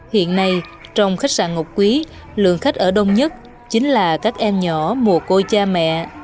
hiện nay trong khách sạn ngọc quý lượng khách ở đông nhất chính là các em nhỏ mùa cô cha mẹ